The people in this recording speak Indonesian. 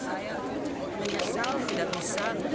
saya mendapat kabar dari samuel waktu dia masuk rumah sakit